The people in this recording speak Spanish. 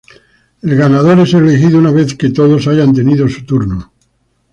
El ganador es elegido una vez que todos hayan tenido su turno.